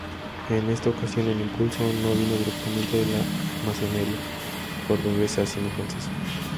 En esta ocasión, el impulso no vino directamente de la masonería cordobesa sino francesa.